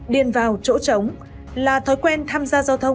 điền vào chỗ trống là thói quen tham gia giao thông